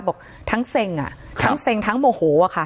บอกทั้งเซ็งทั้งโมโห